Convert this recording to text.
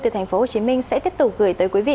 từ thành phố hồ chí minh sẽ tiếp tục gửi tới quý vị